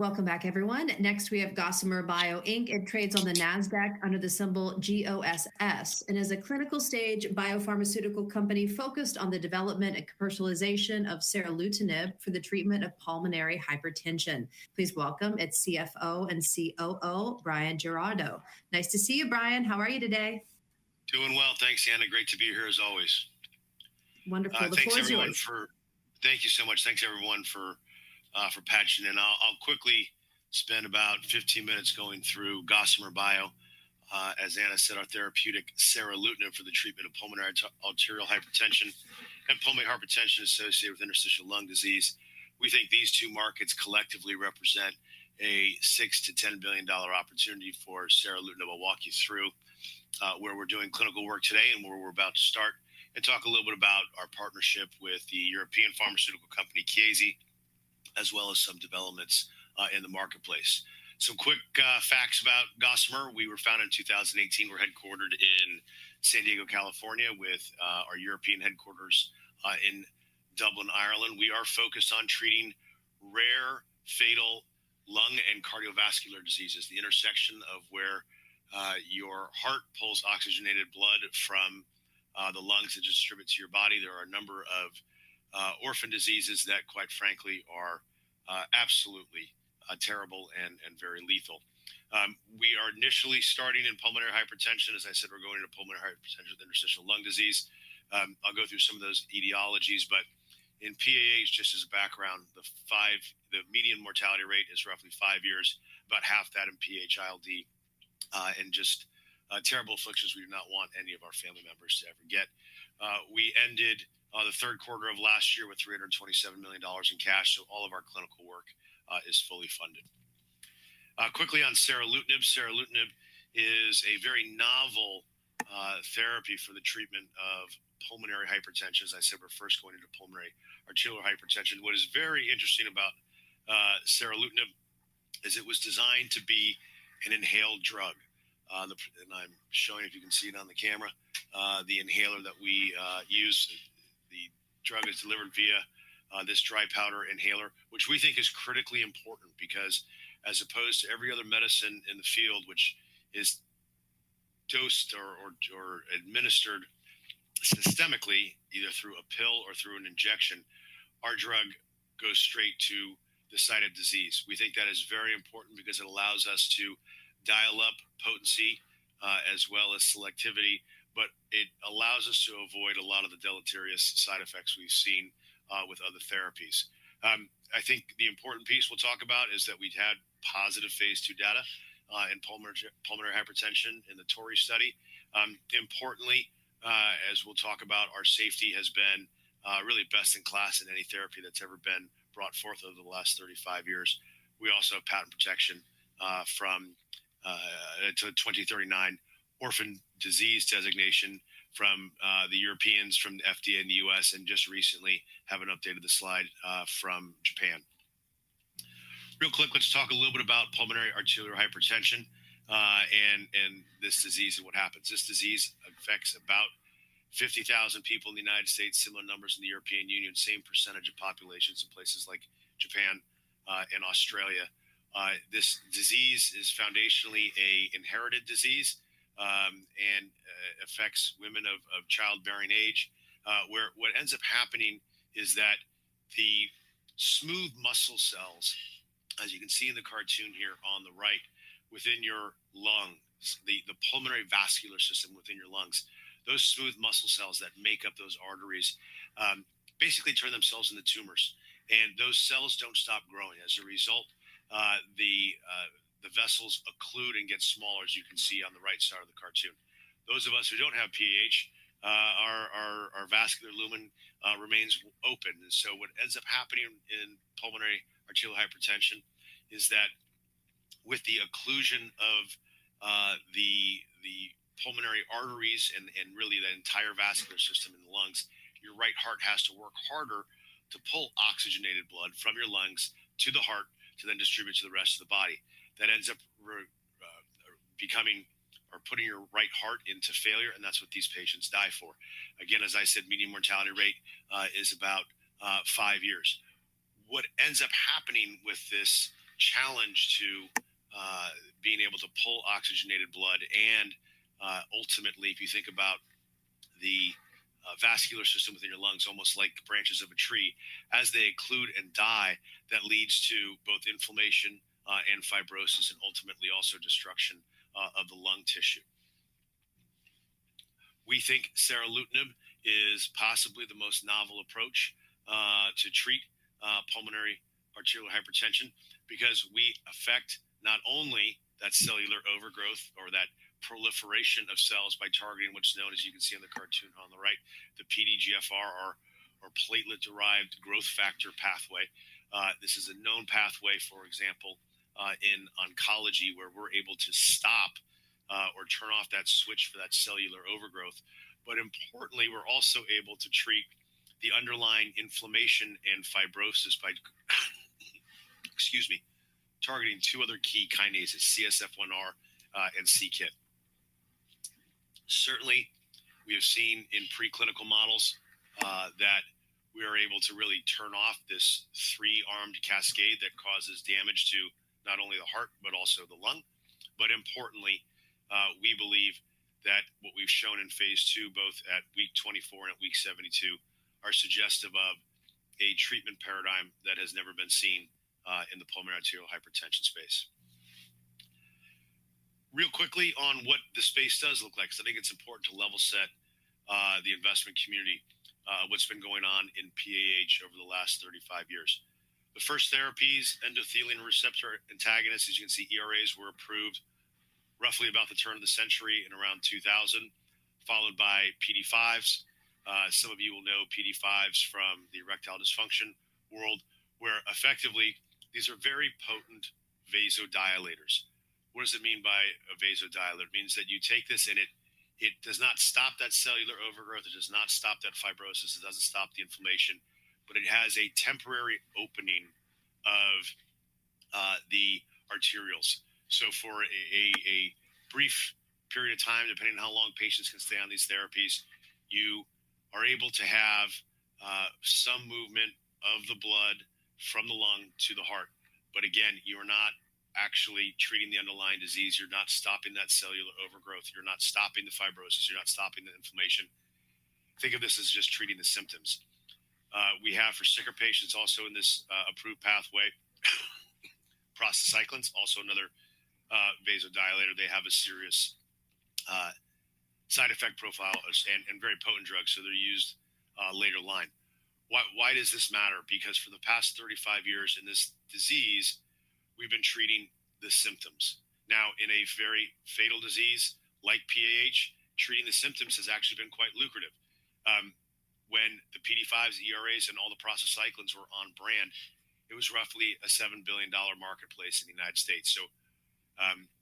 Welcome back, everyone. Next, we have Gossamer Bio, Inc. It trades on the NASDAQ under the symbol GOSS, and is a clinical-stage biopharmaceutical company focused on the development and commercialization of seralutinib for the treatment of pulmonary hypertension. Please welcome its CFO and COO, Brian Giraudo. Nice to see you, Bryan. How are you today? Doing well. Thanks, Ana. Great to be here as always. Wonderful to pursue you. Thank you so much. Thanks, everyone, for patching in. I'll quickly spend about 15 minutes going through Gossamer Bio. As Ana said, our therapeutic Seralutinib for the treatment of pulmonary arterial hypertension and pulmonary hypertension associated with interstitial lung disease. We think these two markets collectively represent a $6-$10 billion opportunity for Seralutinib. I'll walk you through where we're doing clinical work today and where we're about to start, and talk a little bit about our partnership with the European pharmaceutical company Chiesi, as well as some developments in the marketplace. Some quick facts about Gossamer. We were founded in 2018. We're headquartered in San Diego, California, with our European headquarters in Dublin, Ireland. We are focused on treating rare, fatal lung and cardiovascular diseases, the intersection of where your heart pulls oxygenated blood from the lungs and distributes to your body. There are a number of orphan diseases that, quite frankly, are absolutely terrible and very lethal. We are initially starting in pulmonary hypertension. As I said, we're going into pulmonary hypertension with interstitial lung disease. I'll go through some of those etiologies, but in PH, just as a background, the median mortality rate is roughly five years, about half that in PH-ILD, and just terrible afflictions we do not want any of our family members to ever get. We ended the third quarter of last year with $327 million in cash, so all of our clinical work is fully funded. Quickly on seralutinib. seralutinib is a very novel therapy for the treatment of pulmonary hypertension. As I said, we're first going into pulmonary arterial hypertension. What is very interesting about seralutinib is it was designed to be an inhaled drug. And I'm showing if you can see it on the camera, the inhaler that we use. The drug is delivered via this dry powder inhaler, which we think is critically important because, as opposed to every other medicine in the field, which is dosed or administered systemically, either through a pill or through an injection, our drug goes straight to the site of disease. We think that is very important because it allows us to dial up potency as well as selectivity, but it allows us to avoid a lot of the deleterious side effects we've seen with other therapies. I think the important piece we'll talk about is that we've had positive phase II data in pulmonary hypertension in the TORREY study. Importantly, as we'll talk about, our safety has been really best in class in any therapy that's ever been brought forth over the last 35 years. We also have patent protection until 2039, orphan disease designation from the Europeans, from the FDA in the U.S., and just recently have an updated slide from Japan. Real quick, let's talk a little bit about pulmonary arterial hypertension and this disease and what happens. This disease affects about 50,000 people in the United States, similar numbers in the European Union, same percentage of populations in places like Japan and Australia. This disease is foundationally an inherited disease and affects women of childbearing age. What ends up happening is that the smooth muscle cells, as you can see in the cartoon here on the right, within your lungs, the pulmonary vascular system within your lungs, those smooth muscle cells that make up those arteries basically turn themselves into tumors, and those cells don't stop growing. As a result, the vessels occlude and get smaller, as you can see on the right side of the cartoon. Those of us who don't have PH, our vascular lumen remains open, and so what ends up happening in pulmonary arterial hypertension is that with the occlusion of the pulmonary arteries and really the entire vascular system in the lungs, your right heart has to work harder to pull oxygenated blood from your lungs to the heart to then distribute to the rest of the body. That ends up becoming or putting your right heart into failure, and that's what these patients die for. Again, as I said, median mortality rate is about five years. What ends up happening with this challenge to being able to pull oxygenated blood and ultimately, if you think about the vascular system within your lungs, almost like branches of a tree, as they occlude and die, that leads to both inflammation and fibrosis and ultimately also destruction of the lung tissue. We think Seralutinib is possibly the most novel approach to treat pulmonary arterial hypertension because we affect not only that cellular overgrowth or that proliferation of cells by targeting what's known, as you can see in the cartoon on the right, the PDGFR, or platelet-derived growth factor pathway. This is a known pathway, for example, in oncology, where we're able to stop or turn off that switch for that cellular overgrowth, but importantly, we're also able to treat the underlying inflammation and fibrosis by targeting two other key kinases, CSF1R and c-KIT. Certainly, we have seen in preclinical models that we are able to really turn off this three-armed cascade that causes damage to not only the heart but also the lung. But importantly, we believe that what we've shown in phase two, both at week 24 and at week 72, are suggestive of a treatment paradigm that has never been seen in the pulmonary arterial hypertension space. Real quickly on what the space does look like, because I think it's important to level set the investment community, what's been going on in PH over the last 35 years. The first therapies, endothelin receptor antagonists, as you can see, ERAs were approved roughly about the turn of the century in around 2000, followed by PDE5s. Some of you will know PDE5s from the erectile dysfunction world, where effectively these are very potent vasodilators. What does it mean by a vasodilator? It means that you take this and it does not stop that cellular overgrowth. It does not stop that fibrosis. It doesn't stop the inflammation, but it has a temporary opening of the arterioles. So for a brief period of time, depending on how long patients can stay on these therapies, you are able to have some movement of the blood from the lung to the heart. But again, you are not actually treating the underlying disease. You're not stopping that cellular overgrowth. You're not stopping the fibrosis. You're not stopping the inflammation. Think of this as just treating the symptoms. We have for sicker patients also in this approved pathway, prostacyclins, also another vasodilator. They have a serious side effect profile and very potent drug, so they're used later line. Why does this matter? Because for the past 35 years in this disease, we've been treating the symptoms. Now, in a very fatal disease like PH, treating the symptoms has actually been quite lucrative. When the PDE5s, ERAs, and all the prostacyclins were on brand, it was roughly a $7 billion marketplace in the United States. So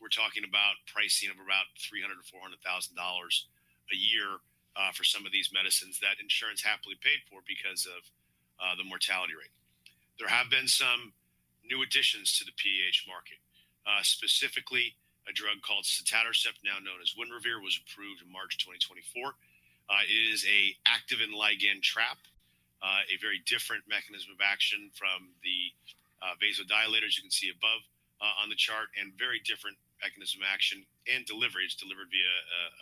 we're talking about pricing of about $300,000-$400,000 a year for some of these medicines that insurance happily paid for because of the mortality rate. There have been some new additions to the PH market, specifically a drug called sotatercept, now known as Winrevair, was approved in March 2024. It is an activin ligand trap, a very different mechanism of action from the vasodilators you can see above on the chart, and very different mechanism of action and delivery. It's delivered via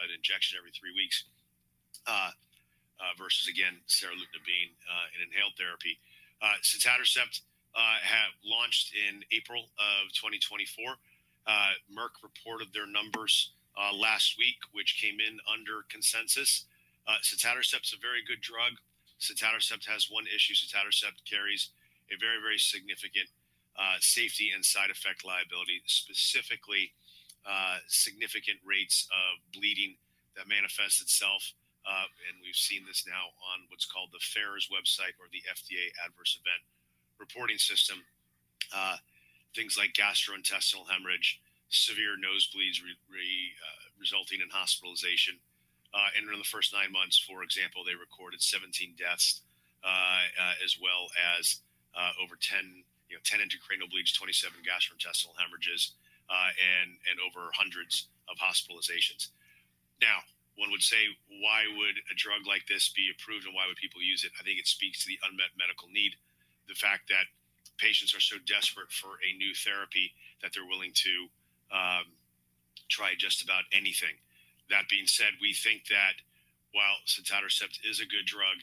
an injection every three weeks versus, again, Seralutinib being an inhaled therapy. Sotatercept launched in April of 2024. Merck reported their numbers last week, which came in under consensus. Sotatercept's a very good drug. Sotatercept has one issue. Sotatercept carries a very, very significant safety and side effect liability, specifically significant rates of bleeding that manifests itself. We've seen this now on what's called the FAERS website or the FDA Adverse Event Reporting System. Things like gastrointestinal hemorrhage, severe nosebleeds resulting in hospitalization. In the first nine months, for example, they recorded 17 deaths, as well as over 10 intracranial bleeds, 27 gastrointestinal hemorrhages, and over hundreds of hospitalizations. Now, one would say, why would a drug like this be approved and why would people use it? I think it speaks to the unmet medical need, the fact that patients are so desperate for a new therapy that they're willing to try just about anything. That being said, we think that while sotatercept is a good drug,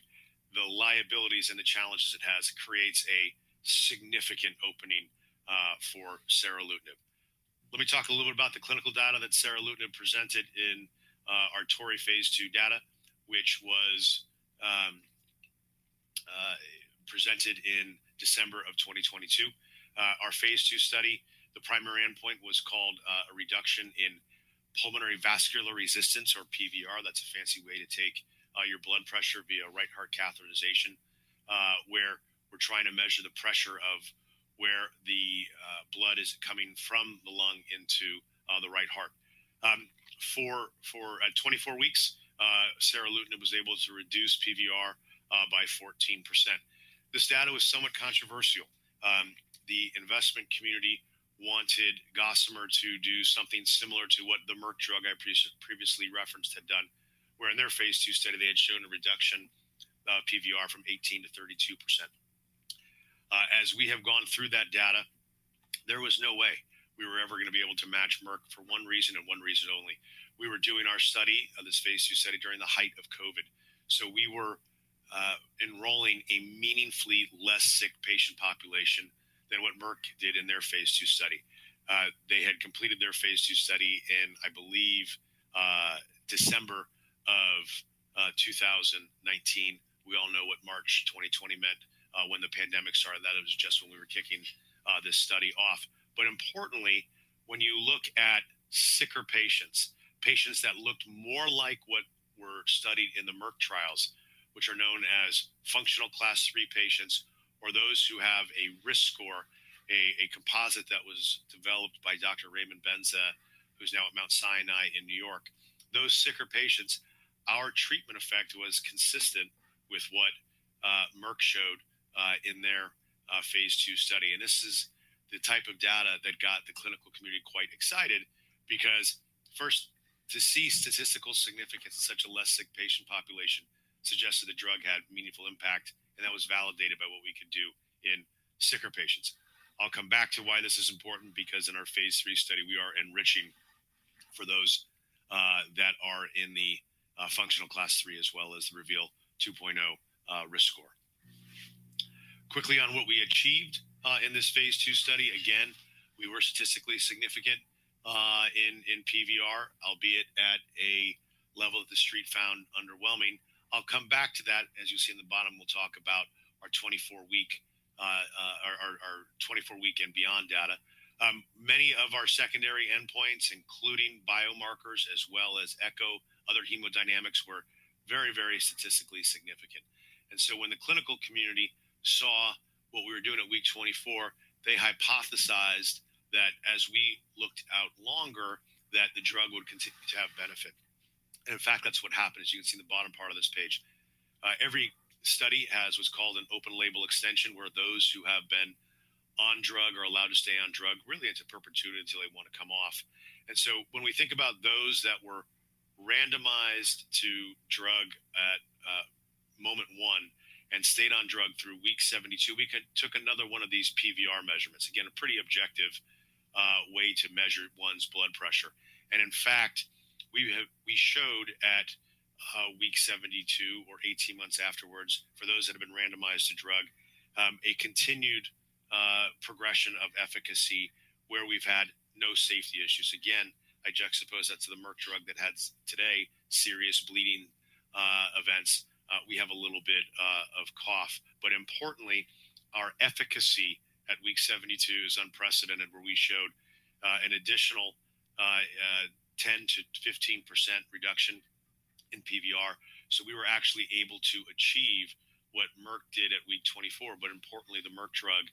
the liabilities and the challenges it has create a significant opening for Seralutinib. Let me talk a little bit about the clinical data that Seralutinib presented in our TORREY phase II data, which was presented in December of 2022. Our phase II study, the primary endpoint was called a reduction in pulmonary vascular resistance, or PVR. That's a fancy way to take your blood pressure via right heart catheterization, where we're trying to measure the pressure of where the blood is coming from the lung into the right heart. For 24 weeks, Seralutinib was able to reduce PVR by 14%. This data was somewhat controversial. The investment community wanted Gossamer to do something similar to what the Merck drug I previously referenced had done, where in their phase II study, they had shown a reduction of PVR from 18% to 32%. As we have gone through that data, there was no way we were ever going to be able to match Merck for one reason and one reason only. We were doing our study of this phase II study during the height of COVID. So we were enrolling a meaningfully less sick patient population than what Merck did in their phase II study. They had completed their phase II study in, I believe, December of 2019. We all know what March 2020 meant when the pandemic started. That was just when we were kicking this study off. But importantly, when you look at sicker patients, patients that looked more like what were studied in the Merck trials, which are known as functional class three patients, or those who have a risk score, a composite that was developed by Dr. Raymond Benza, who's now at Mount Sinai in New York, those sicker patients, our treatment effect was consistent with what Merck showed in their phase II study. And this is the type of data that got the clinical community quite excited because, first, to see statistical significance in such a less sick patient population suggested the drug had meaningful impact, and that was validated by what we could do in sicker patients. I'll come back to why this is important because in our phase III study, we are enriching for those that are in the functional class three as well as the REVEAL 2.0 risk score. Quickly on what we achieved in this phase two study. Again, we were statistically significant in PVR, albeit at a level that the street found underwhelming. I'll come back to that. As you see in the bottom, we'll talk about our 24-week and beyond data. Many of our secondary endpoints, including biomarkers as well as echo, other hemodynamics, were very, very statistically significant, and so when the clinical community saw what we were doing at week 24, they hypothesized that as we looked out longer, that the drug would continue to have benefit, and in fact, that's what happened. As you can see in the bottom part of this page, every study has what's called an open label extension, where those who have been on drug or allowed to stay on drug really it's a perpetuity until they want to come off. When we think about those that were randomized to drug at month one and stayed on drug through week 72, we took another one of these PVR measurements. Again, a pretty objective way to measure one's blood pressure. In fact, we showed at week 72 or 18 months afterwards, for those that have been randomized to drug, a continued progression of efficacy where we've had no safety issues. Again, I juxtapose that to the Merck drug that had two serious bleeding events. We have a little bit of cough. But importantly, our efficacy at week 72 is unprecedented, where we showed an additional 10%-15% reduction in PVR. We were actually able to achieve what Merck did at week 24. Importantly, the Merck drug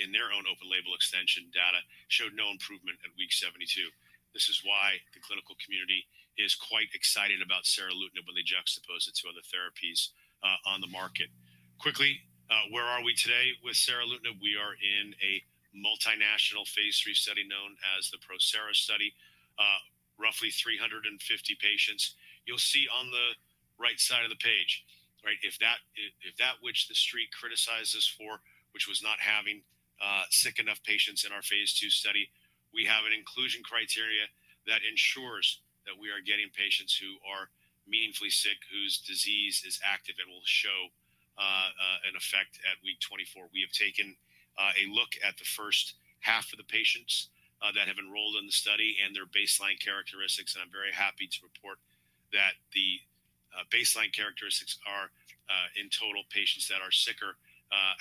in their own open label extension data showed no improvement at week 72. This is why the clinical community is quite excited about seralutinib when they juxtapose it to other therapies on the market. Quickly, where are we today with seralutinib? We are in a multinational phase III study known as the PROSERA study, roughly 350 patients. You'll see on the right side of the page, right? That which the street criticized us for, which was not having sick enough patients in our phase II study, we have an inclusion criteria that ensures that we are getting patients who are meaningfully sick, whose disease is active and will show an effect at week 24. We have taken a look at the first half of the patients that have enrolled in the study and their baseline characteristics. I'm very happy to report that the baseline characteristics are in total patients that are sicker,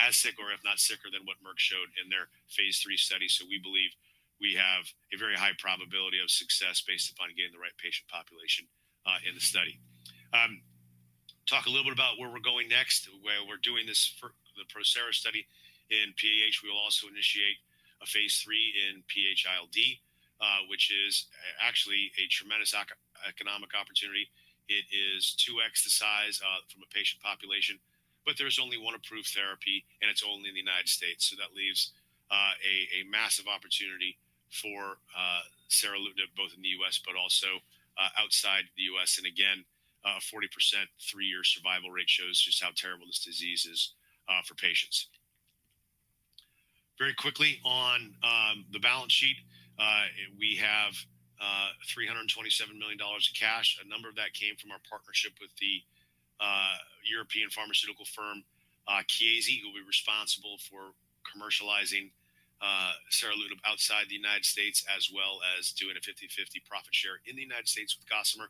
as sick or if not sicker than what Merck showed in their phase three study. So we believe we have a very high probability of success based upon getting the right patient population in the study. Talk a little bit about where we're going next. While we're doing this, the PROSERA study in PH, we will also initiate a phase three in PH-ILD, which is actually a tremendous economic opportunity. It is 2x the size from a patient population, but there's only one approved therapy, and it's only in the United States. So that leaves a massive opportunity for seralutinib both in the U.S., but also outside the U.S.. And again, a 40% three-year survival rate shows just how terrible this disease is for patients. Very quickly on the balance sheet, we have $327 million in cash. A number of that came from our partnership with the European pharmaceutical firm Chiesi, who will be responsible for commercializing Seralutinib outside the United States, as well as doing a 50/50 profit share in the United States with Gossamer.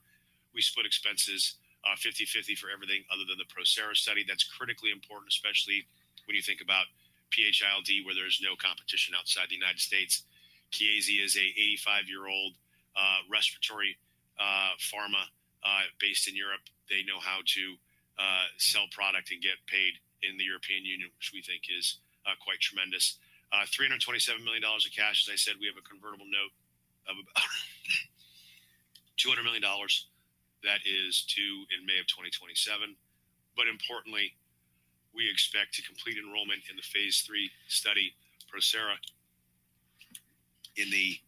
We split expenses 50/50 for everything other than the PROSERA study. That's critically important, especially when you think about PH-ILD, where there is no competition outside the United States. Chiesi is an 85-year-old respiratory pharma based in Europe. They know how to sell product and get paid in the European Union, which we think is quite tremendous. $327 million in cash. As I said, we have a convertible note of $200 million that is due in May of 2027. But importantly, we expect to complete enrollment in the phase III study, PROSERA, in the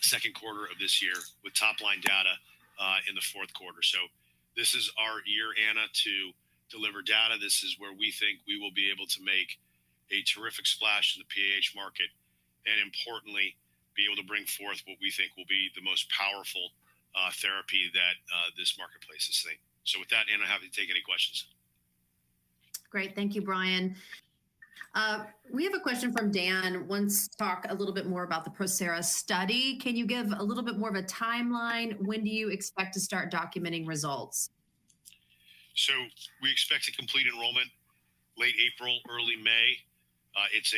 second quarter of this year with top-line data in the fourth quarter. So this is our year, Ana, to deliver data. This is where we think we will be able to make a terrific splash in the PH market and, importantly, be able to bring forth what we think will be the most powerful therapy that this marketplace is seeing. So with that, Ana, I'm happy to take any questions. Great. Thank you, Bryan. We have a question from Dan. Let's talk a little bit more about the PROSERA study. Can you give a little bit more of a timeline? When do you expect to start documenting results? So we expect to complete enrollment late April, early May. It's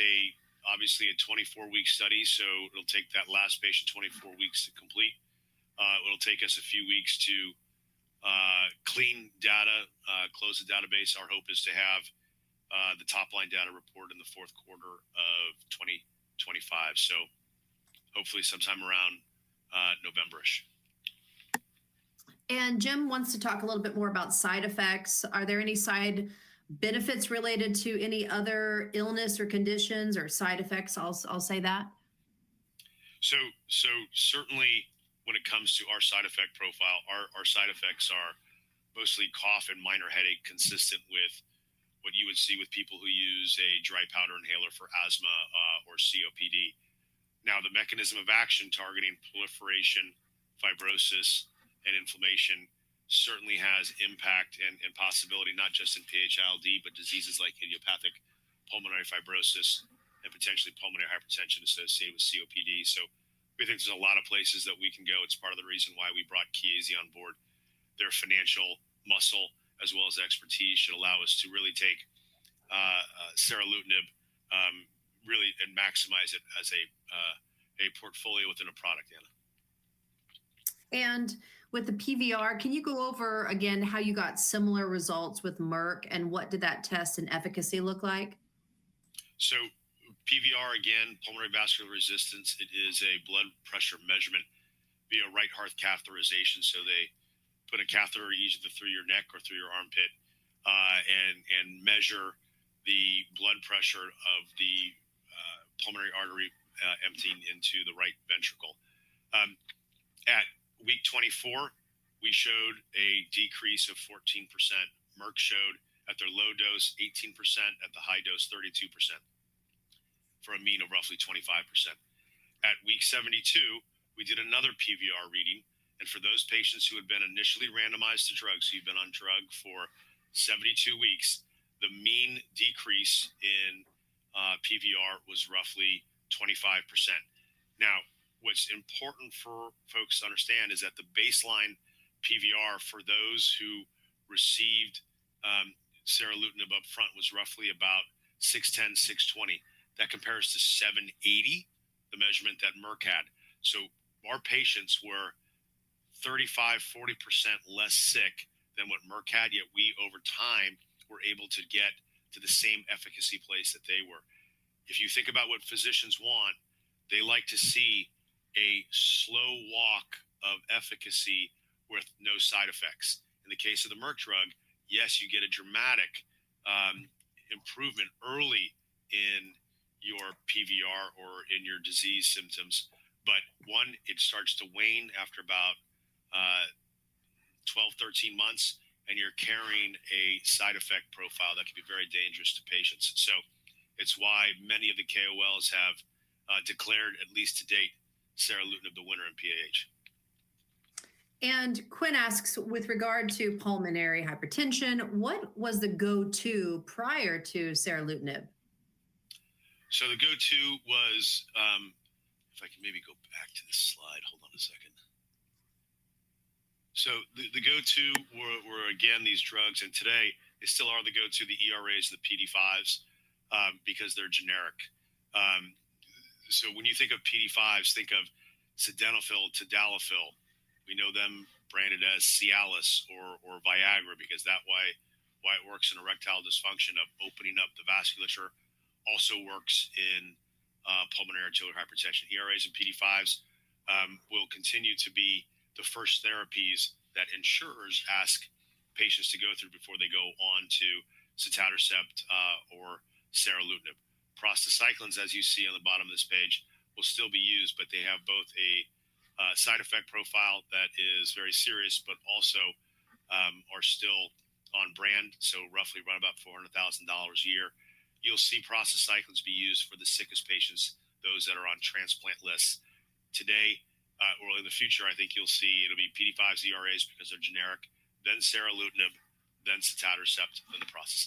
obviously a 24-week study, so it'll take that last patient 24 weeks to complete. It'll take us a few weeks to clean data, close the database. Our hope is to have the top-line data report in the fourth quarter of 2025, so hopefully sometime around November-ish, and Jim wants to talk a little bit more about side effects. Are there any side benefits related to any other illness or conditions or side effects? I'll say that, so certainly, when it comes to our side effect profile, our side effects are mostly cough and minor headache consistent with what you would see with people who use a dry powder inhaler for asthma or COPD. Now, the mechanism of action targeting proliferation, fibrosis, and inflammation certainly has impact and possibility, not just in PH-ILD, but diseases like idiopathic pulmonary fibrosis and potentially pulmonary hypertension associated with COPD, so we think there's a lot of places that we can go. It's part of the reason why we brought Chiesi on board. Their financial muscle, as well as expertise, should allow us to really take Seralutinib really and maximize it as a portfolio within a product, Ana. And with the PVR, can you go over again how you got similar results with Merck and what did that test and efficacy look like? So PVR, again, pulmonary vascular resistance, it is a blood pressure measurement via right heart catheterization. So they put a catheter either through your neck or through your armpit and measure the blood pressure of the pulmonary artery emptying into the right ventricle. At week 24, we showed a decrease of 14%. Merck showed at their low dose 18%, at the high dose 32%, for a mean of roughly 25%. At week 72, we did another PVR reading. And for those patients who had been initially randomized to drugs, who've been on drug for 72 weeks, the mean decrease in PVR was roughly 25%. Now, what's important for folks to understand is that the baseline PVR for those who received Seralutinib upfront was roughly about 610, 620. That compares to 780, the measurement that Merck had. So our patients were 35%-40% less sick than what Merck had, yet we over time were able to get to the same efficacy place that they were. If you think about what physicians want, they like to see a slow walk of efficacy with no side effects. In the case of the Merck drug, yes, you get a dramatic improvement early in your PVR or in your disease symptoms. But one, it starts to wane after about 12, 13 months, and you're carrying a side effect profile that can be very dangerous to patients. So it's why many of the KOLs have declared, at least to date, seralutinib the winner in PH. And Quinn asks, with regard to pulmonary hypertension, what was the go-to prior to seralutinib? So the go-to was, if I can maybe go back to the slide, hold on a second. So the go-to were, again, these drugs. And today, they still are the go-to: the ERAs, the PDE5s, because they're generic. So when you think of PDE5s, think of sildenafil and tadalafil. We know them branded as Cialis or Viagra because that way it works in erectile dysfunction of opening up the vasculature. Also works in pulmonary arterial hypertension. ERAs and PDE5s will continue to be the first therapies that insurers ask patients to go through before they go on to sotatercept or Seralutinib. Prostacyclines, as you see on the bottom of this page, will still be used, but they have both a side effect profile that is very serious, but also are still on brand, so roughly run about $400,000 a year. You'll see prostacyclines be used for the sickest patients, those that are on transplant lists. Today or in the future, I think you'll see it'll be PDE5s, ERAs because they're generic, then Seralutinib, then sotatercept, then the prostacyclines.